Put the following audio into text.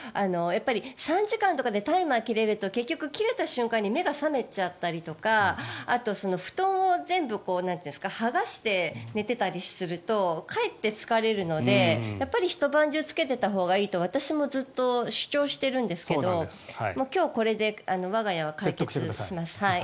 ３時間とかでタイマーが切れると結局、切れた瞬間に目が覚めちゃったりとかあと、布団を全部剥がして寝てたりするとかえって疲れるのでやっぱりひと晩中つけてたほうがいいと私もずっと主張してるんですけど今日、これで我が家は解決します。